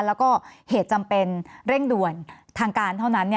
แล้วก็เหตุจำเป็นเร่งด่วนทางการเท่านั้น